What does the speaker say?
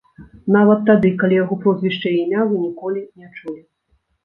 Нават тады, калі яго прозвішча і імя вы ніколі не чулі.